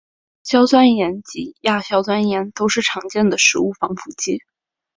硝酸盐及亚硝酸盐都是常见的食物防腐剂。